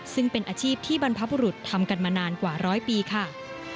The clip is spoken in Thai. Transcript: ซึ่งเป็นอาชีพที่บรรพบุรุษทำกันมานานกว่าร้อยปีค่ะ